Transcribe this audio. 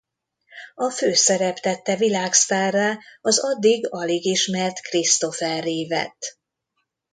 A főszerep tette világsztárrá az addig alig ismert Christopher Reeve-et.